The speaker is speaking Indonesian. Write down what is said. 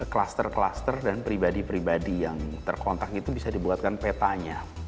kluster kluster dan pribadi pribadi yang terkontak itu bisa dibuatkan petanya